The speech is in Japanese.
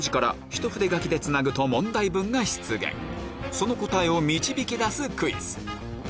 その答えを導き出すクイズ